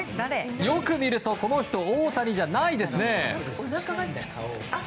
よく見るとこの人、大谷じゃないですね。